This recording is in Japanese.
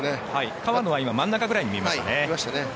川野は今真ん中ぐらいに見えましたね。